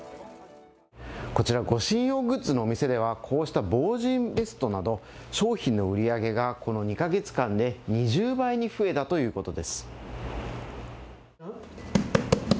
こちら護身用グッズのお店ではこうした防刃ベストなど商品の売り上げがこの２か月間に２０倍に増えたということです。